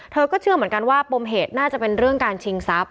เธอก็เชื่อเหมือนกันว่าปมเหตุน่าจะเป็นเรื่องการชิงทรัพย